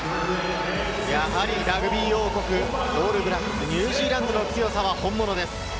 やはりラグビー王国オールブラックス、ニュージーランドの強さは本物です。